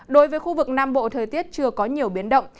đối với khu vực nam bộ thời tiết chưa có nhiều biến động